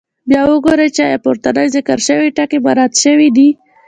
بیا وګورئ چې آیا پورتني ذکر شوي ټکي مراعات شوي دي.